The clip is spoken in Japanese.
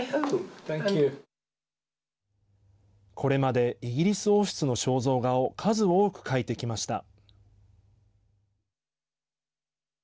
これまでイギリス王室の肖像画を数多く描いてきました。